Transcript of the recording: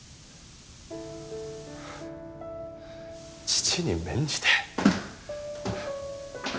父に免じて？